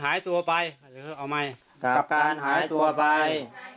หายตัวไปหรือเอาใหม่กับการหายตัวไป